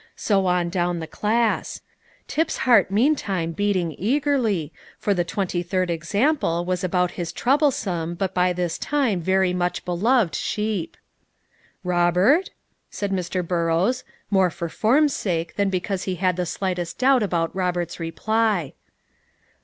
So on down the class; Tip's heart meantime beating eagerly, for the twenty third example was about his troublesome, but by this time very much beloved sheep. "Robert?" said Mr. Burrows, more for form's sake than because he had the slightest doubt about Robert's reply.